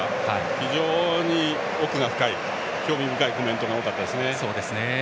非常に奥が深い興味深いコメントが多かったですね。